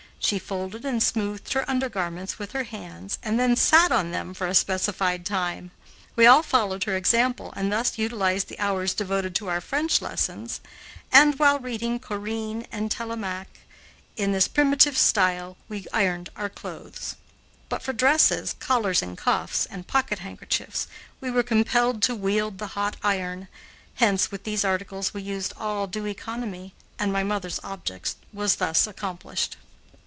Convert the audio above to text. She folded and smoothed her undergarments with her hands and then sat on them for a specified time. We all followed her example and thus utilized the hours devoted to our French lessons and, while reading "Corinne" and "Télémaque," in this primitive style we ironed our clothes. But for dresses, collars and cuffs, and pocket handkerchiefs, we were compelled to wield the hot iron, hence with these articles we used all due economy, and my mother's object was thus accomplished.